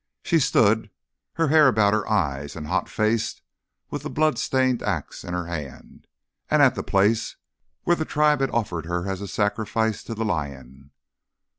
She stood, her hair about her eyes and hot faced, with the blood stained axe in her hand, at the place where the tribe had offered her as a sacrifice to the lion.